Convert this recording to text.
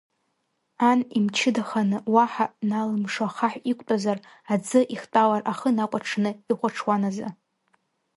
Ан имчыдаханы, уаҳа налымшо ахаҳә иқәтәазар, аӡы ихтәалар, ахы накәаҽны ихәаҽуан азы?